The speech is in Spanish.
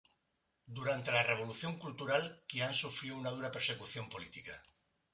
Durante la Revolución Cultural, Qian sufrió una dura persecución política.